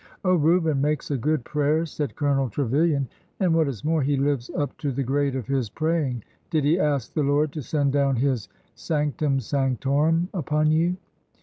Oh, Reuben makes a good prayer," said Colonel Tre vilian ;" and, what is more, he lives up to the grade of his praying. Did he ask the Lord to send down His ' sanc tum sanctorum ' upon you